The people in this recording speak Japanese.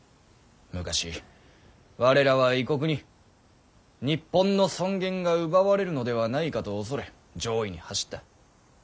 昔我らは異国に日本の尊厳が奪われるのではないかと恐れ攘夷に走った。